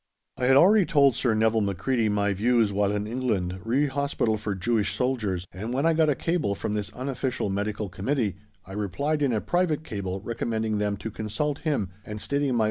I had already told Sir Nevil Macready my views while in England re Hospital for Jewish soldiers, and when I got a cable from this unofficial medical committee I replied in a private cable recommending them to consult him, and stating my own private views on the question.